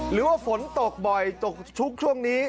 หรือว่าฝนตกบ่อยตกชุกช่วงนี้